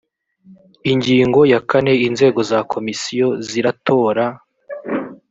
ingingo ya kane inzego za komisiyo ziratora